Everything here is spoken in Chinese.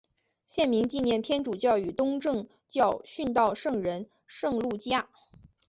县名纪念天主教与东正教殉道圣人圣路济亚。